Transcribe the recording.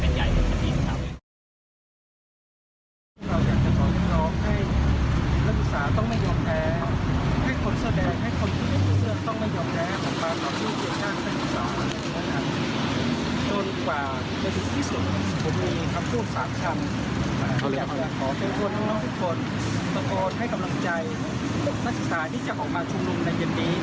ที่จะหาออกมาชงรุงในเย็นนี้